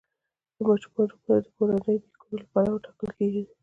د ماشومانو نومونه د مورني نیکونو له پلوه ټاکل کیدل.